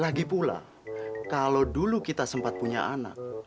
lagi pula kalau dulu kita sempat punya anak